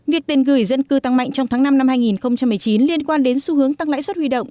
việc tiền gửi dân cư tăng mạnh trong tháng năm năm hai nghìn một mươi chín liên quan đến xu hướng tăng lãi suất huy động